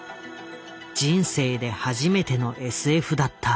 人生で初めてのＳＦだった。